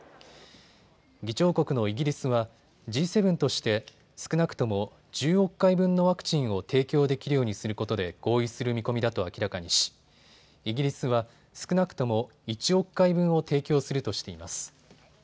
議長国のイギリスはＧ７として少なくとも１０億回分のワクチンを提供できるようにすることで合意する見込みだと明らかにしイギリスは少なくとも１億回分を提供するとしています。